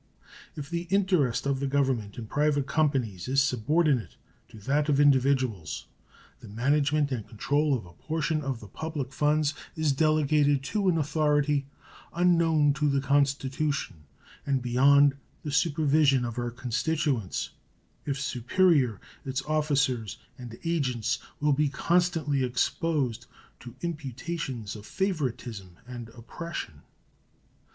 If the interest of the Government in private companies is subordinate to that of individuals, the management and control of a portion of the public funds is delegated to an authority unknown to the Constitution and beyond the supervision of our constituents; if superior, its officers and agents will be constantly exposed to imputations of favoritism and oppression.